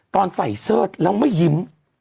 ตอนใส่เสิร์ชแล้วไม่ยิ้ม